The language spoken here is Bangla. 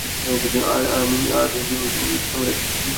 আর আমি আর একা নই।